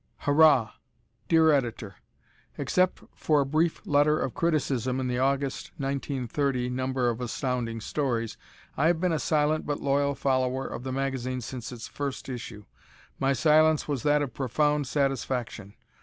Hurrah! Dear Editor: Except for a brief letter of criticism in the August, 1930, number of Astounding Stories, I have been a silent but loyal follower of the magazine since its first issue. My silence was that of profound satisfaction.